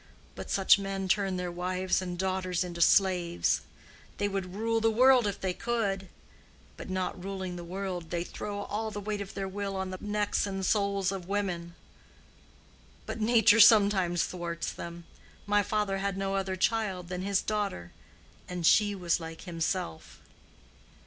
But such men turn their wives and daughters into slaves. They would rule the world if they could; but not ruling the world, they throw all the weight of their will on the necks and souls of women. But nature sometimes thwarts them. My father had no other child than his daughter, and she was like himself."